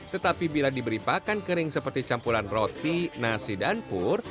tetapi bila diberi pakan kering seperti campuran roti nasi dan pur